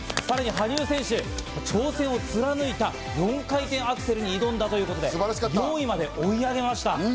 さらに羽生選手、挑戦を貫いた４回転アクセルに挑んだということで、４位まで追い上げました。